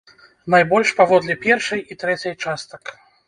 Найбольш паводле першай і трэцяй частак.